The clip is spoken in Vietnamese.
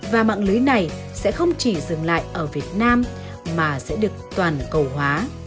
và mạng lưới này sẽ không chỉ dừng lại ở việt nam mà sẽ được toàn cầu hóa